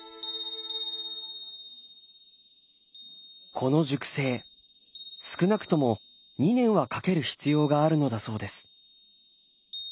この熟成少なくとも２年はかける必要があるのだそうです。